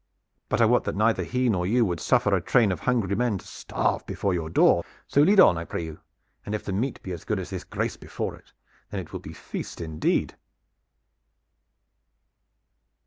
But I wot that neither he nor you would suffer a train of hungry men to starve before your door; so lead on, I pray you, and if the meat be as good as this grace before it, then it will be a feast indeed."